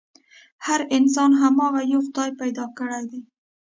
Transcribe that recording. هر انسان هماغه يوه خدای پيدا کړی دی.